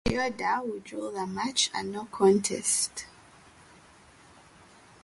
Chioda would rule the match a no contest.